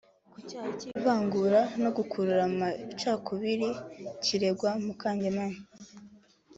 Ku cyaha cy’ivangura no gukurura amacakubiri kiregwa Mukangemanyi